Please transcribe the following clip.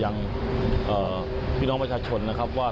ให้พี่น้อกงานบัชชนนะครับว่า